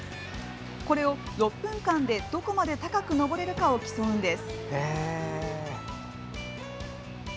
これを、６分間でどこまで高く登れるかを競うんです。